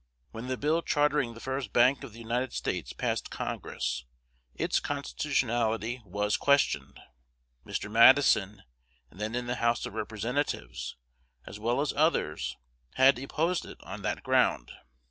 When the bill chartering the first Bank of the United States passed Congress, its constitutionality was questioned; Mr. Madison, then in the House of Representatives, as well as others, had opposed it on that ground.